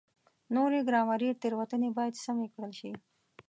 نورې ګرامري تېروتنې باید سمې کړل شي.